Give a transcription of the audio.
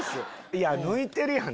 いや抜いてるやん。